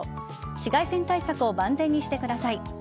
紫外線対策を万全にしてください。